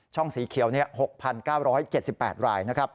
สีเขียว๖๙๗๘รายนะครับ